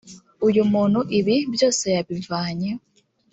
uyu muntu ibi byose yabivanye